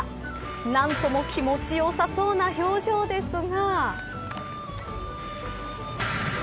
何とも気持ちよさそうな表情ですが。